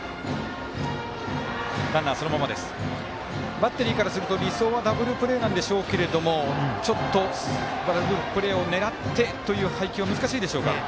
バッテリーからすると理想はダブルプレーなんでしょうけどちょっとダブルプレーを狙ってという配球は難しいでしょうか。